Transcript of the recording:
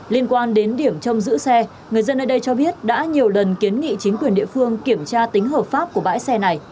liên quan đến điểm trông giữ xe người dân ở đây cho biết đã nhiều lần kiến nghị chính quyền địa phương kiểm tra tính hợp pháp của bãi xe này